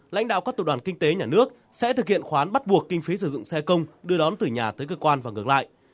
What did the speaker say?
lãnh đạo các tụ đoàn kinh tế nhà nước sẽ thực hiện khoán bắt buộc kinh phí sử dụng xe công đưa đón từ nhà tới cơ quan và ngược lại